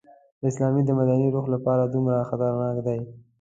د اسلام د مدني روح لپاره دومره خطرناک دی.